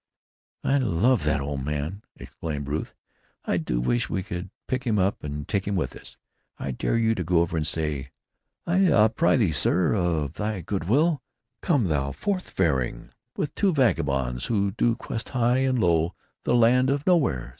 "I love that old man!" exclaimed Ruth. "I do wish we could pick him up and take him with us. I dare you to go over and say, 'I prithee, sir, of thy good will come thou forthfaring with two vagabonds who do quest high and low the land of Nowhere.'